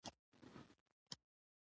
د افغانستان نوم له تاریخه راوتلي ده.